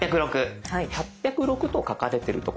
８０６と書かれてる所